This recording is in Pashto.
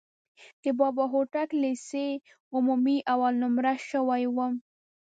د بابا هوتک لیسې عمومي اول نومره شوی وم.